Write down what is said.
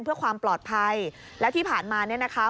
เพื่อความปลอดภัยแล้วที่ผ่านมาเนี่ยนะคะ